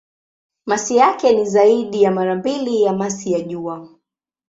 Masi yake ni zaidi ya mara mbili ya masi ya Jua.